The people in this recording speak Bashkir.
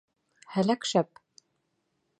Һәләк шәп!